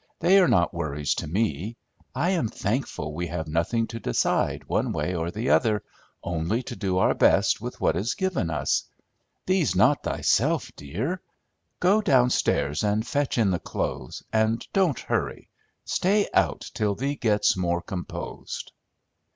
They are not worries to me. I am thankful we have nothing to decide one way or the other, only to do our best with what is given us. Thee's not thyself, dear. Go downstairs and fetch in the clothes, and don't hurry; stay out till thee gets more composed."